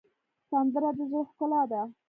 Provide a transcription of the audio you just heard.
سندره د زړه ښکلا ده